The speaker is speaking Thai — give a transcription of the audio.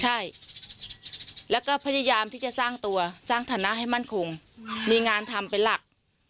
ใช่แล้วก็พยายามที่จะสร้างตัวสร้างฐานะให้มั่นคงมีงานทำเป็นหลัก